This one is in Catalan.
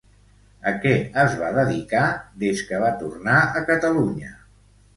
A què es va dedicar des que va tornar a Catalunya?